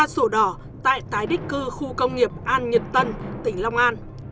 một trăm bốn mươi ba sổ đỏ tại tái đích cư khu công nghiệp an nhật tân tỉnh long an